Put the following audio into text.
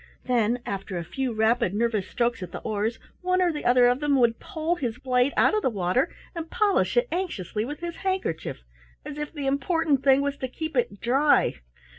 Then, after a few, rapid, nervous strokes at the oars, one or the other of them would pull his blade out of the water and polish it anxiously with his handkerchief, as if the important thing was to keep it dry.